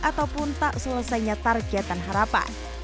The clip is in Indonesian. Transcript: ataupun tak selesainya target dan harapan